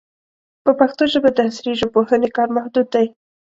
په پښتو ژبه د عصري ژبپوهنې کار محدود دی.